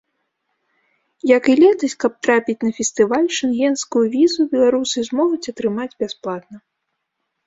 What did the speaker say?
Як і летась, каб трапіць на фестываль, шэнгенскую візу беларусы змогуць атрымаць бясплатна.